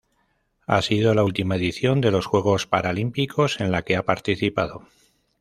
Ha sido la última edición de los juegos paralímpicos en la que ha participado.